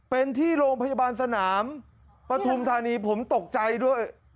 เป็นที่โรงพยาบาลสนามปฐุมธานีผมตกใจด้วย